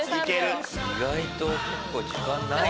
意外と時間ない。